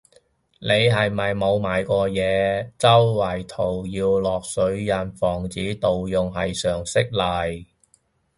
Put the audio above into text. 你係咪冇賣過嘢，周邊圖要落水印防止盜用係常識嚟